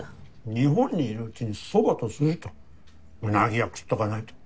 日本にいるうちに蕎麦と寿司とウナギは食っとかないと。